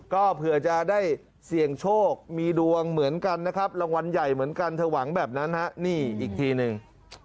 ก็เผื่อจะได้เสี่ยงโชคมีดวงเหมือนกันนะครับรางวัลใหญ่เหมือนกันเธอหวังแบบนั้นฮะนี่อีกทีหนึ่ง